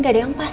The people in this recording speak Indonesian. gak ada yang pas